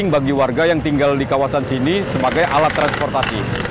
kepada kota palembang becak motor dikumpulkan sebagai alat transportasi